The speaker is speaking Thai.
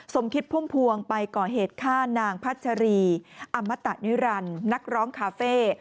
สมคิดพุ่มพวงไปก่อเหตุฆ่านางพัชรีอมตะนิรันดิ์นักร้องคาเฟ่